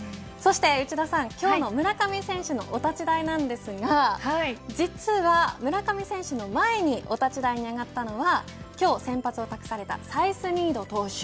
内田さん、今日の村上選手のお立ち台なんですが実は、村上選手の前にお立ち台に上がったのは今日、先発を託されたサイスニード投手